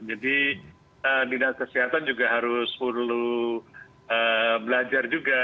jadi dinas kesehatan juga harus perlu belajar juga